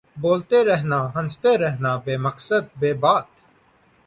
بولتے رہنا ہنستے رہنا بے مقصد بے بات